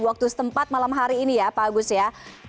waktu setempat malam hari ini ya pak agus ya